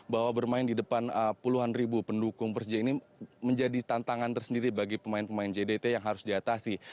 bahwa bermain di depan puluhan ribu pendukung persija ini menjadi tantangan tersendiri bagi pemain pemain jdt yang harus diatasi